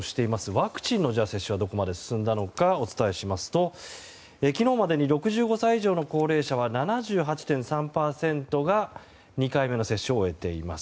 ワクチン接種はどこまで進んだのかお伝えしますと昨日までに６５歳以上の高齢者は７８．３％が２回目の接種を終えています。